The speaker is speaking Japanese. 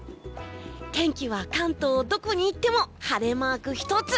天気は関東どこに行っても晴れマーク１つ！